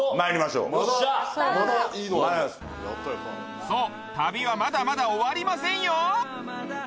そう旅はまだまだ終わりませんよ